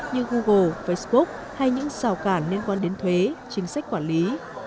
như google facebook hay những rào cản liên quan đến thuế chính sách quản lý